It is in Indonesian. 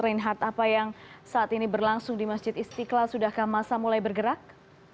reinhard apa yang saat ini berlangsung di masjid istiqlal sudahkah masa mulai bergerak